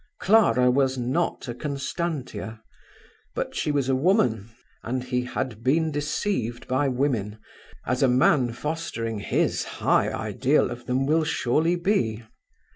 Clara was not a Constantia. But she was a woman, and he had been deceived by women, as a man fostering his high ideal of them will surely be.